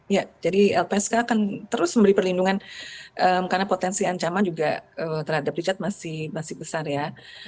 ya jadi lpsk akan terus memberi perlindungan karena potensi ancaman juga terhadap richard masih besar ya